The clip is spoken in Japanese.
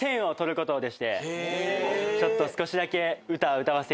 ちょっと少しだけ。